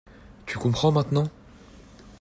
Tu comprends, maintenant?